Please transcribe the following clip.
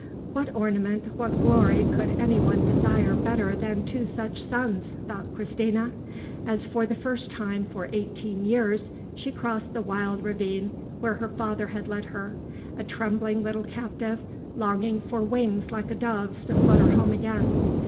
"What ornament, what glory could any one desire better than two such sons?" thought Christina, as for the first time for eighteen years she crossed the wild ravine where her father had led her, a trembling little captive, longing for wings like a dove's to flutter home again.